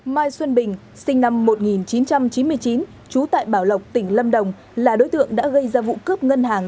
mai xuân bình sinh năm một nghìn chín trăm chín mươi chín trú tại bảo lộc tỉnh lâm đồng là đối tượng đã gây ra vụ cướp ngân hàng